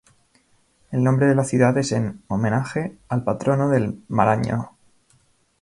El nombre de la ciudad es en homenaje al patrono del Maranhão.